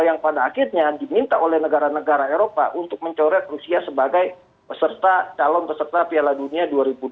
yang pada akhirnya diminta oleh negara negara eropa untuk mencoret rusia sebagai peserta calon peserta piala dunia